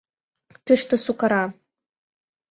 Тыште сукара.